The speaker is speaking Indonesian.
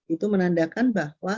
itu menandakan bahwa